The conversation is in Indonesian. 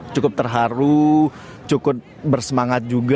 cukup terharu cukup bersemangat juga